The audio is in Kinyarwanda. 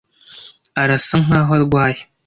Arasa nkaho arwaye.